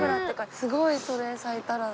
すごいそれ咲いたら。